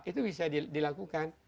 itu bisa dilakukan